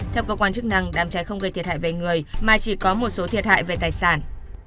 theo cơ quan chức năng đám cháy không gây thiệt hại về người mà chỉ có một số thiệt hại về tài sản